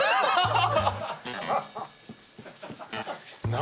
何？